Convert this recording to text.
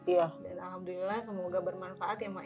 dan alhamdulillah semoga bermanfaat ya mak